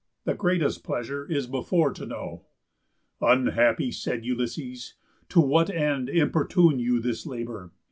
The greatest pleasure is before to know." "Unhappy!" said Ulysses; "To what end Importune you this labour?